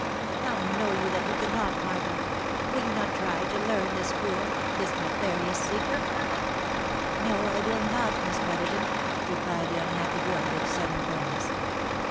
"How know you that you cannot, Martha? Will you not try to learn this cruel, this nefarious secret?" " No, I will not, Miss Brotherton," replied the unhappy girl with sudden firmness.